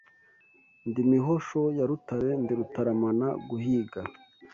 Ndi Mihosho ya Rutare, ndi rutaramana guhiga